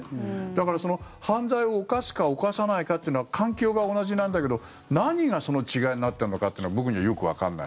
だから、犯罪を犯すか犯さないかというのは環境が同じなんだけど何がその違いになったのかっていうのは僕にはよくわかんない。